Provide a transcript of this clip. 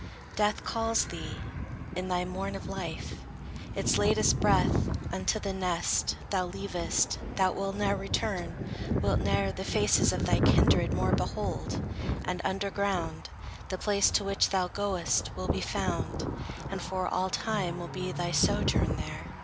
Death calls thee; in thy morn of life, Its latest breath. Unto the nest Thou leavest, thou wilt ne'er return; wilt ne'er The faces of thy kindred more behold; And under ground, The place to which thou goest will be found; And for all time will be thy sojourn there.